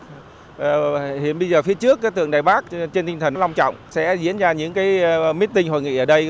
hiện bây giờ phía trước cái tượng đài bắc trên tinh thần long trọng sẽ diễn ra những cái meeting hội nghị ở đây